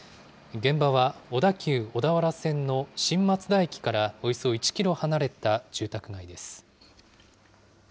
現場は小田急小田原線の新松田駅からおよそ１キロ離れた住宅街です。